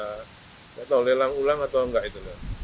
saya tidak tahu lelang ulang atau tidak itu lelang